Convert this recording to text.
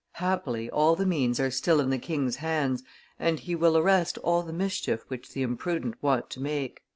Happily all the means are still in the king's hands, and he will arrest all the mischief which the imprudent want to make."